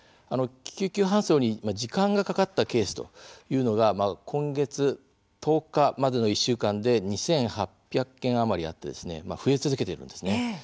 救急搬送に時間がかかったケースというのが今月１０日までの１週間で２８００件余りあって増え続けているんですね。